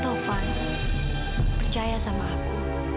taufan percaya sama aku